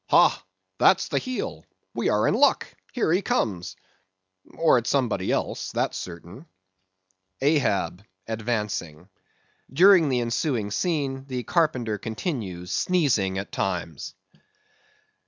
Ha! that's the heel; we are in luck; here he comes, or it's somebody else, that's certain. AHAB (advancing). (_During the ensuing scene, the carpenter continues sneezing at times.